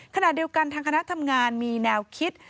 ขณะเดียวกันทางคณะทำงานมีแนวคิด